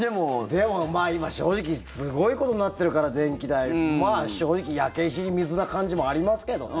でも今、正直すごいことになってるから電気代正直、焼け石に水な感じもありますけどね。